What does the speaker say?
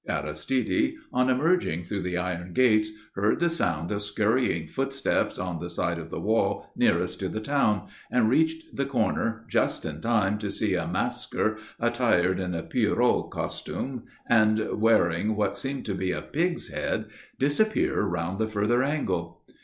Aristide, on emerging through the iron gates, heard the sound of scurrying footsteps on the side of the wall nearest to the town, and reached the corner, just in time to see a masquer, attired in a Pierrot costume and wearing what seemed to be a pig's head, disappear round the further angle.